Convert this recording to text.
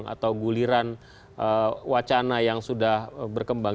atau guliran wacana yang sudah berkembang